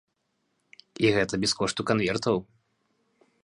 І гэта без кошту канвертаў.